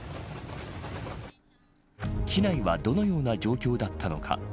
機内はどのような状況だったのか。